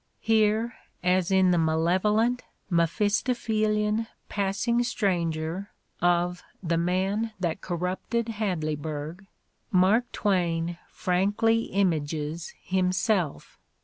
Here, as in the malevolent, Mephistophelian "passing stranger" of "The Man That Corrupted Had leyburg, '' Mark Twain frankly images himself.